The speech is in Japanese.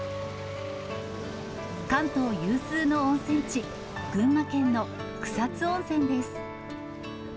関東有数の温泉地、群馬県の草津温泉です。